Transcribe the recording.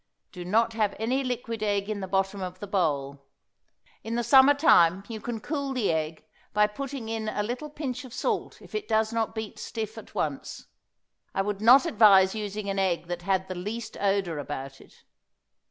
Do not have any liquid egg in the bottom of the bowl. In the summer time you can cool the egg by putting in a little pinch of salt if it does not beat stiff at once. I would not advise using an egg that had the least odor about it.